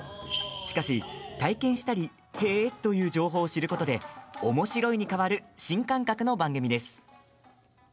しかし、体験したりへえーという情報を知ることでおもしろいに変わる新感覚の番組です。